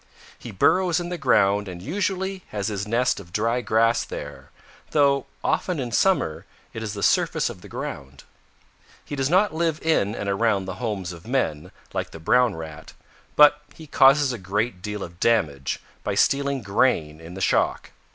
He burrows in the ground and usually has his nest of dry grass there, though often in summer it is the surface of the ground. He does not live in and around the homes of men, like the Brown Rat, but he causes a great deal of damage by stealing grain in the shock.